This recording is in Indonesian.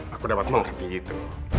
aku dapat mengerti itu